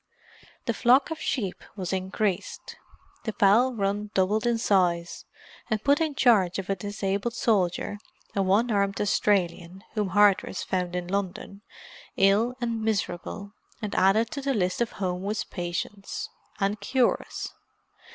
The flock of sheep was increased; the fowl run doubled in size, and put in charge of a disabled soldier, a one armed Australian, whom Hardress found in London, ill and miserable, and added to the list of Homewood's patients—and cures.